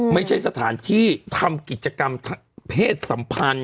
ไม่ใช่สถานที่ทำกิจกรรมเพศสัมพันธ์